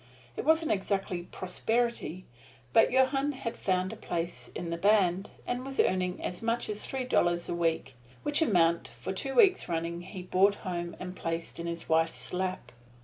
It wasn't exactly prosperity, but Johann had found a place in the band, and was earning as much as three dollars a week, which amount for two weeks running he brought home and placed in his wife's lap.